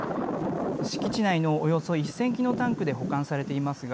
敷地内のおよそ１０００基のタンクで保管されていますが